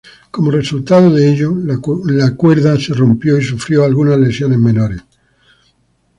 Como resultado de ello, la cuerda se rompió y sufrió algunas lesiones menores.